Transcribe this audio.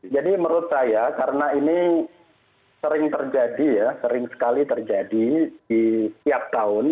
jadi menurut saya karena ini sering terjadi ya sering sekali terjadi di setiap tahun